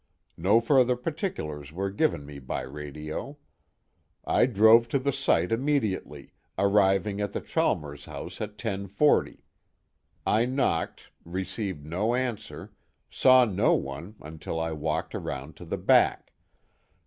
No further particulars were given me by radio. I drove to the site immediately, arriving at the Chalmers house at 10:40. I knocked, received no answer, saw no one until I walked around to the back.